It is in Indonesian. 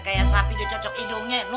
kayak sapi udah cocok hidungnya